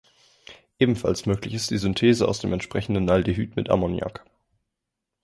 Ebenfalls möglich ist die Synthese aus dem entsprechenden Aldehyd mit Ammoniak.